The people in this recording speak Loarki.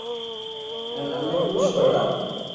ھين امي خوݾ ھويو